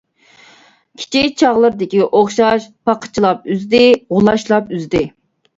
كىچىك چاغلىرىدىكىگە ئوخشاش پاقىچىلاپ ئۈزدى، غۇلاچلاپ ئۈزدى.